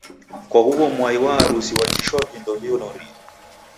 kwa huw'o mwai wa harusi wajishwa vindo vinorie.